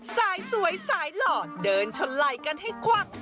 สายสวยสายหล่อเดินชนไหล่กันให้ควัก